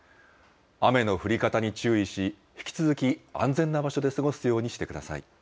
雨の降り方に注意し、引き続き、安全な場所で過ごすようにしてください。